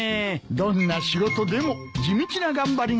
どんな仕事でも地道な頑張りが必要だからな。